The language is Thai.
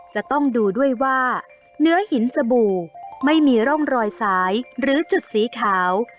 จะต้องดูด้วยว่าเนื้อหินสบู่ไม่มีร่องรอยสายหรือจุดสีขาว